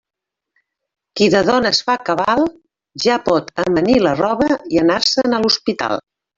Qui de dones fa cabal, ja pot amanir la roba i anar-se'n a l'hospital.